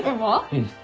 うん。